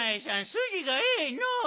すじがええのう。